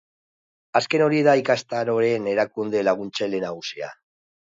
Azken hori da ikastaroen erakunde laguntzaile nagusia.